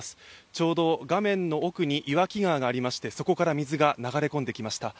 ちょうど画面の奥に岩木川がありましてそこから水が流れ込んできました。